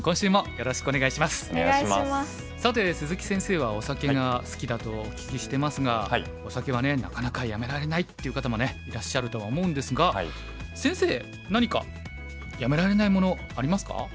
さて鈴木先生はお酒が好きだとお聞きしてますがお酒はねなかなかやめられないっていう方もいらっしゃるとは思うんですが先生何かやめられないものありますか？